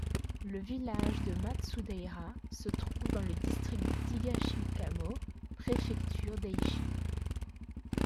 Le village de Matsudaira se trouve dans le district de Higashikamo, préfecture d'Aichi.